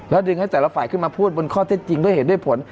ดึงให้แต่ละฝ่ายขึ้นมาพูดบนข้อเท็จจริงด้วยเหตุด้วยผล